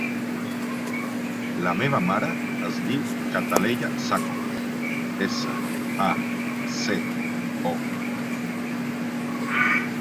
La meva mare es diu Cataleya Saco: essa, a, ce, o.